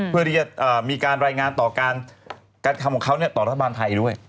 เพื่อที่จะมีการรายงานต่อการทำของเขาต่อรัฐบาลไทยด้วย